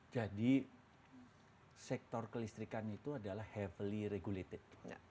jadi sektor kelistrikan itu adalah heavily regulated